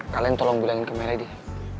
kalian tolong bilangin ke meli deh